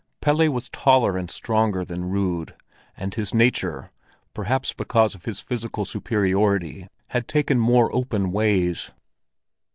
Pelle was taller and stronger than Rud, and his nature —perhaps because of his physical superiority—had taken more open ways.